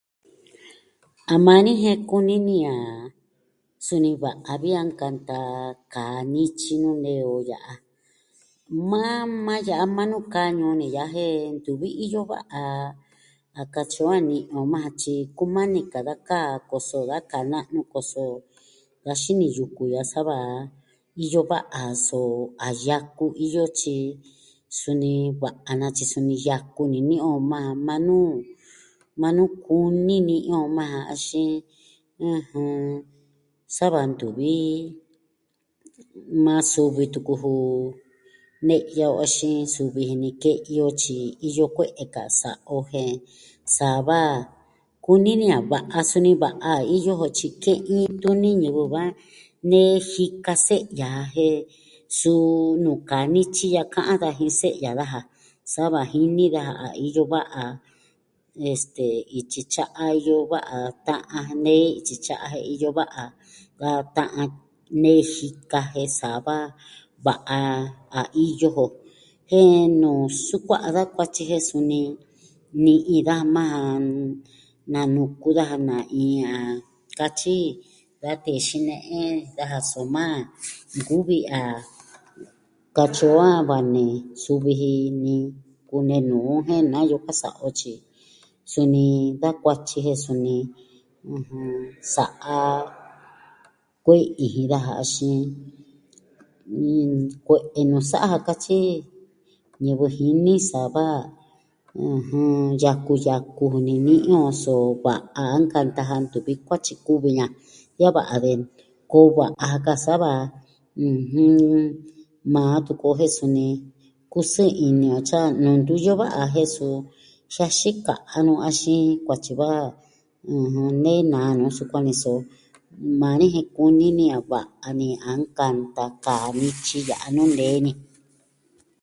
A maa ni, jen kuni ni a suni va'a vi a nkanta kaa nityi nuu nee o ya'a. Maa ma ya'a maa nuu kaa ñuu ni ya'a, jen ntuvi iyo va'a. A katyi o a ni'i o majan. Tyi kumani ka da kaa koso da kaa na'nu koso da xini yuku ya'a saa va. Iyo va'a, so a yaku iyo tyi suni va'a naa tyi suni yaku ni ni'in o majan, maa nuu, maa nuu kuni ni'in yo majan. Axin... ɨjɨn... sa va ntuvi maa suvi tuku ju. Ne'ya o axin suvi jin ni. Ke'i o tyi iyo kue'e ka a sa'a o. Jen, sava kuni ni a va'a, suni va'a iyo jo. Tyi ke'in tuni ñivɨ va nee jika se'ya. Jen suu nuu kaa nityi ya'a ka'an daja jin se'ya daja. Sava jini daja a iyo va'a. Este, ityi tya'a iyo va'a. Ta'an nee ityi tya'a jen iyo va'a da ta'an... Nee jika jen saa va va'a a iyo jo. Jen nuu sukua'a da kuatyi jen suni ni'in daja majan. Nanuku daja na iin a katyi da tee xine'e daja. Soma, nkuvi a katyi o a va nee suvi ji ni. Kunee nuu on jen na iyo ka a sa'a o. Tyi, suni da kuatyi jen suni, ɨjɨn, sa'a kue'i jin daja. Axin... n... Kue'e nuu sa'a ja katyi, ñivɨ jini saa va, ɨjɨn, yaku yaku ju ni ni'in on. So va'a a nkanta ja ntuvi kuatyi kuvi iña. De a va'a de, koo va'a ja ka saa va. ɨjɨn, maa tuku o, jen suni kusɨɨ ini o tyi a nuu ntu iyo va'a. Jen so jiaxin ka'an nu, axin kuaa tyi va, ɨjɨn, nee naa nuu sukuan ni so maa ni jin kuni ni a va'a ni a nkanta kaa nityi ya'a nuu nee ni.